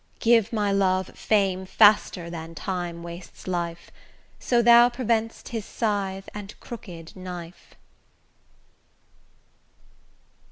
Give my love fame faster than Time wastes life, So thou prevent'st his scythe and crooked knife.